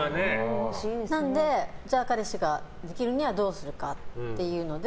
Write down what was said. なので、じゃあ彼氏ができるにはどうするかっていうので